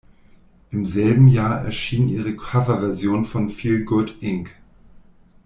Im selben Jahr erschien ihre Coverversion von "Feel Good Inc.